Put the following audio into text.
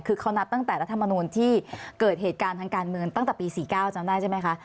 คือเขานับตั้งแต่รัฐมนูลที่เกิดเหตุการณ์ทางการเมืองตั้งแต่ปี๔๙จำได้ใช่ไหมคะ